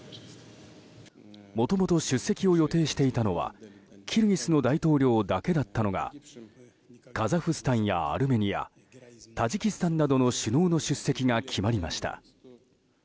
もともと出席を予定していたのはキルギスの大統領だけだったのがカザフスタンやアルメニアタジキスタンなどの首脳の出席が決まりました。